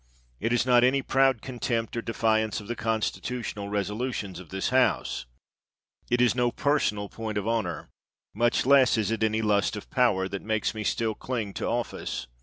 It is not any proud contempt, or defiance of the constitutional resolutions of ihis House — it is no personal point of honor, much less is it any lust of power, that makes me still cling to office.